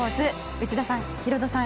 内田さん、ヒロドさん